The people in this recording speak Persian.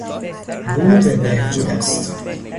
رو به بهبود است.